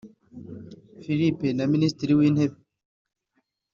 Philippe na Minisitiri w’Intebe